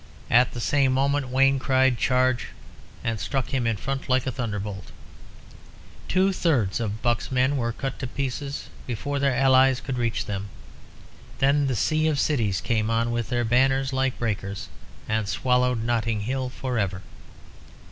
At the same moment Wayne cried, "Charge!" and struck him in front like a thunderbolt. Two thirds of Buck's men were cut to pieces before their allies could reach them. Then the sea of cities came on with their banners like breakers, and swallowed Notting Hill for ever.